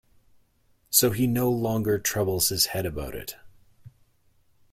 So he no longer troubles his head about it.